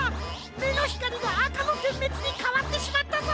めのひかりがあかのてんめつにかわってしまったぞ！